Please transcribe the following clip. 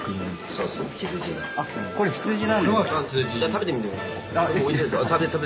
食べてみて。